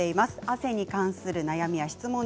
汗に関する悩みや質問